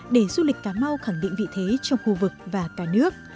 để du lịch cà mau khẳng định vị thế trong khu vực và cả nước